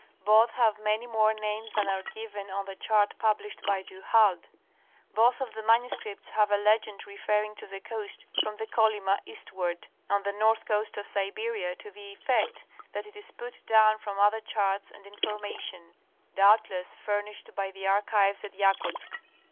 Both have many more names than are given on the chart published by Du Halde. Both of the manuscripts have a legend referring to the coast from the Kolyma eastward, on the north coast of Siberia, to the effect that it is put down from older charts and information, doubtless furnished by the archives at Yakutsk.